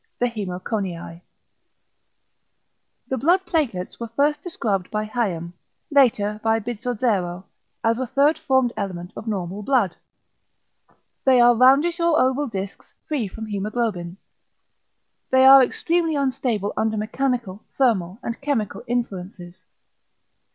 The hæmoconiæ. The ~blood platelets~ were first described by Hayem, later by Bizzozero, as a third formed element of normal blood. They are roundish or oval discs free from hæmoglobin. They are extremely unstable under mechanical, thermal, and chemical influences.